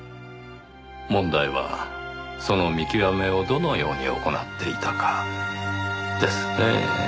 問題はその見極めをどのように行っていたかですねぇ。